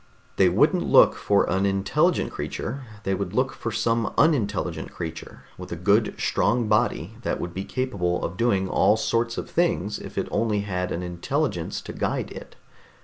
They wouldn't look for an intelligent creature, they would look for some unintelligent creature with a good strong body that would be capable of doing all sorts of things if it only had an intelligence to guide it.